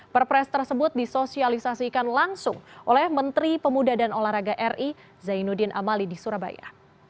perpres tersebut disosialisasikan langsung oleh menteri pemuda dan olahraga ri zainuddin amali di surabaya